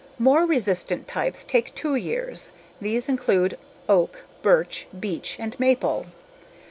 More resistant types take two years; these include oak, birch, beech, and maple.